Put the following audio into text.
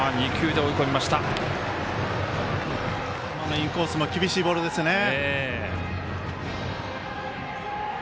インコースも厳しいボールですね。